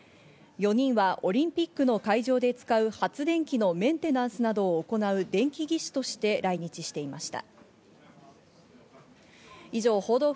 ４人はオリンピックの会場で使う発電機のメンテナンスなどを行う電気技師として来日していました。